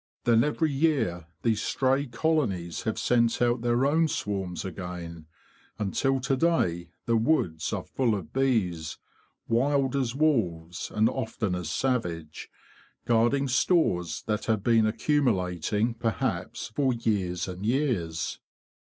Then every year these stray colonies have sent out their own swarms again, until to day the woods are full of bees, wild as wolves and often as savage, guarding stores that have been accumu lating perhaps for years and years."